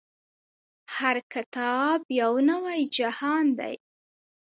هر کتاب يو نوی جهان دی.